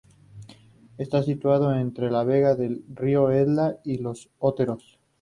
Está situado entre la vega del río Esla y los Oteros.